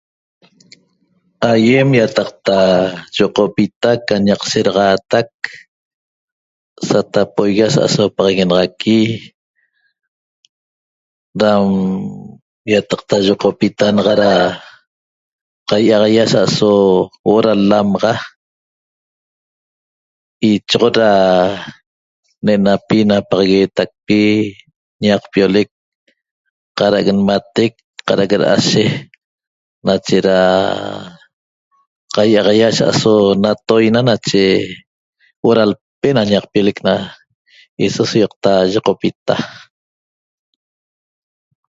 Aýem ýataqta yoqopita can ñaq sedaxaatac satapoigui asa'aso paxaguenaxaqui dam ýataqta yoqopita naxa da qai'axaia asa'aso huo'o da l-lamaxa ichoxot da ne'enapi napaxaguetacpi ñaqpiolec cad'ac nmatec cada'ac da'ashe nache da qai'axaia asa'aso natoina nache huo'o da lpe'e na ñaqpiolec naxa eso so ýoqta yoqopita